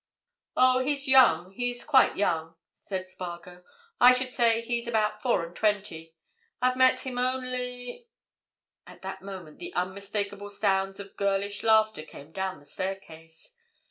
"Oh, he's young—he's quite young," said Spargo. "I should say he's about four and twenty. I've met him only—" At that moment the unmistakable sounds of girlish laughter came down the staircase.